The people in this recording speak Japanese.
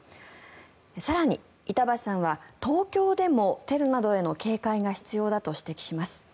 更に、板橋さんは東京でもテロなどへの警戒が必要だと指摘します。